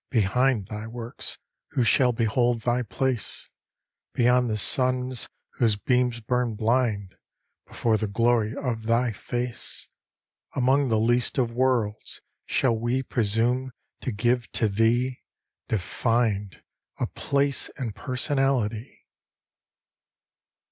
behind Thy works, who shall behold Thy place? Beyond the suns whose beams burn blind Before the glory of Thy face! Among the least of worlds, shall we Presume to give to Thee, defined, A place and personality!